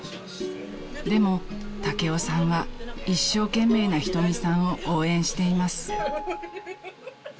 ［でも岳郎さんは一生懸命な瞳さんを応援しています］